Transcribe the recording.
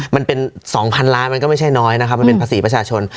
มันเป็น๒๐๐๐ล้านมันก็ไม่ใช่น้อยนะครับมันเป็นภาษีประชาชน